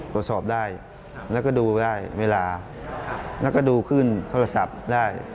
ตรวจสอบได้แล้วก็ดูได้เวลาแล้วก็ดูขึ้นโทรศัพท์ได้